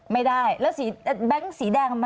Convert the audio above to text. ไม่ได้แล้วสีแดง